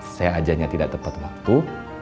saya ajaknya tidak tepat waktu